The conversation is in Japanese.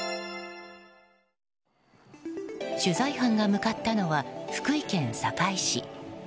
取材班が向かったのは福井県坂井市。